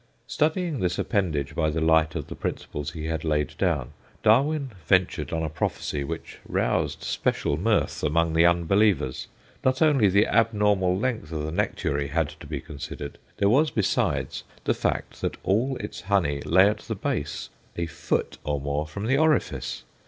Studying this appendage by the light of the principles he had laid down, Darwin ventured on a prophecy which roused special mirth among the unbelievers. Not only the abnormal length of the nectary had to be considered; there was, besides, the fact that all its honey lay at the base, a foot or more from the orifice.